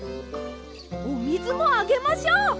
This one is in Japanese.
おみずもあげましょう！